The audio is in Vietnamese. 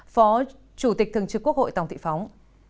phó chủ tịch thường trực quốc hội tòng thị phóng